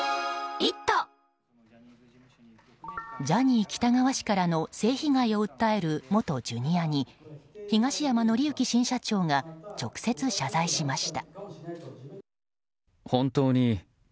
ジャニー喜多川氏からの性被害を訴える元Ｊｒ．に東山紀之新社長が直接謝罪しました。